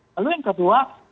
lalu yang kedua